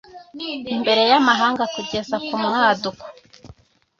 Imbere y amahanga kugeza ku mwaduko